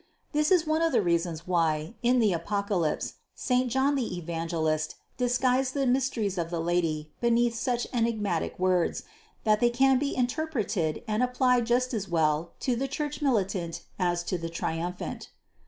This is one of the reasons why, in the Apocalypse, saint John the evangelist disguised the mys teries of the Lady, beneath such enigmatic words, that they can be interpreted and applied just as well to the Church militant as to the triumphant.